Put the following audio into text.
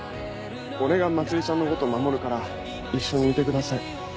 俺が茉莉ちゃんのこと守るから一緒にいてください。